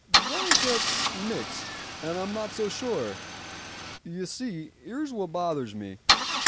Then it gets mixed, and I'm not so sure. You see, here's what bothers me.